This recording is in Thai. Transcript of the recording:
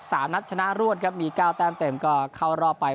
สามนัดชนะรวดครับมีเก้าแต้มเต็มก็เข้ารอบไป